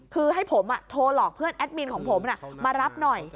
คือให้ผมโทรหลอกเพื่อนแอดมินของผมมารับหน่อย